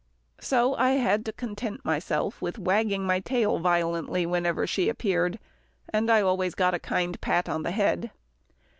So I had to content myself with wagging my tail violently whenever she appeared, and I always got a kind pat on the head.